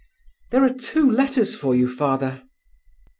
"There are two letters for you. Father."